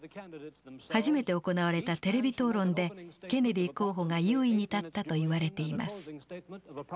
初めて行われたテレビ討論でケネディ候補が優位に立ったといわれています。